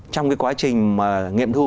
trong cái quá trình nghiệp thu